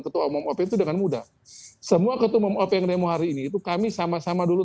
ketua umum op itu dengan mudah semua ketua umum op yang demo hari ini itu kami sama sama dulu